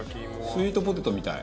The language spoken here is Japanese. スイートポテトみたい。